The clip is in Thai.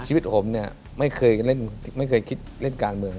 ชีวิตผมเนี่ยไม่เคยเล่นไม่เคยคิดเล่นการเมือง